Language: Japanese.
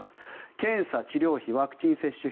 検査・治療費、ワクチン接種費